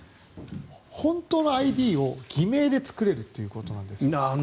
本当のＩＤを偽名で作れるということなんです。